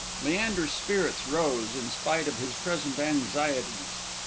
Leander's spirits rose, in spite of his present anxieties.